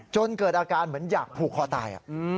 จนเกิดอาการเหมือนอยากผูกคอตาย